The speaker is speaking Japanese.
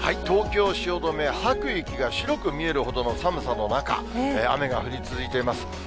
東京・汐留、吐く息が白く見えるほどの寒さの中、雨が降り続いています。